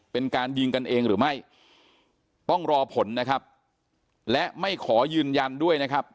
เป็นการยิงกันเองหรือไม่ต้องรอผลนะครับและไม่ขอยืนยันด้วยนะครับ